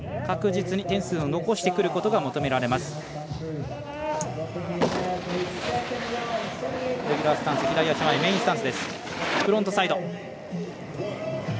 確実に点数は残してくることが求められます。